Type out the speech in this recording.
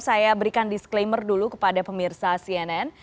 saya berikan disclaimer dulu kepada pemirsa cnn